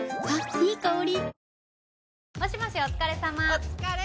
いい香り。